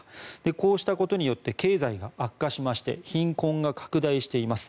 こうしたことによって経済が悪化しまして貧困が拡大しています。